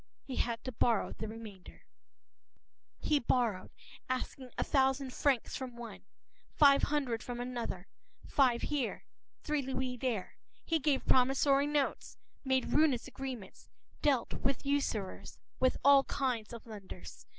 He had to borrow the remainder. He borrowed, asking a thousand francs from one, five hundred from another, five here, three louis there. He gave promissory notes, made ruinous agreements, dealt with usurers, with all kinds of lenders.